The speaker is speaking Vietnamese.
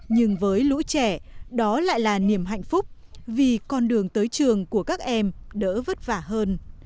nhưng với lũ trẻ đó lại là niềm hạnh phúc vì con đường tới trường của các em đỡ vất vả hơn